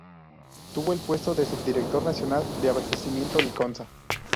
Tuvo el puesto de subdirector nacional de abastecimiento Liconsa